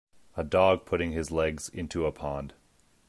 A dog putting his legs into a pond